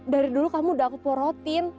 dari dulu kamu udah aku porotin